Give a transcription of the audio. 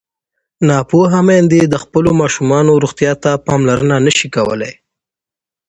ناپوهه میندې د خپلو ماشومانو روغتیا ته پاملرنه نه شي کولی.